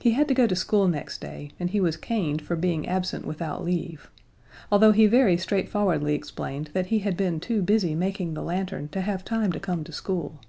He had to go to school next day, and he was caned for being absent without leave although he very straightforwardly explained that he had been too busy making the lantern to have time to come to school.